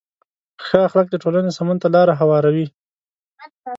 ښه اخلاق د ټولنې سمون ته لاره هواروي.